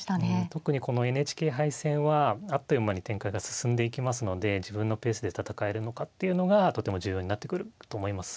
特にこのＮＨＫ杯戦はあっという間に展開が進んでいきますので自分のペースで戦えるのかっていうのがとても重要になってくると思います。